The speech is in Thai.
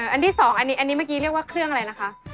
อันที่๒อันนี้เมื่อกี้เรียกว่าเครื่องอะไรนะคะ